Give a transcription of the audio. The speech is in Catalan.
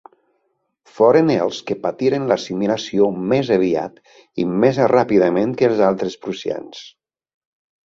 Foren els que patiren l'assimilació més aviat i més ràpidament que els altres prussians.